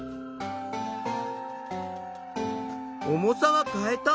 重さは変えた。